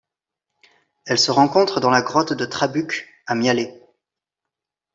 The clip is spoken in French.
Elle se rencontre dans la grotte de Trabuc à Mialet.